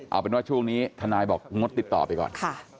เอาเป็นว่าช่วงนี้ทนายบอกงดติดต่อไปก่อน